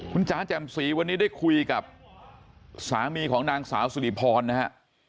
คุณจ๋าแจ่มสีวันนี้ได้คุยกับสามีของนางสาวสุริพรนะฮะ